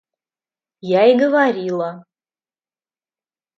Я и говорила!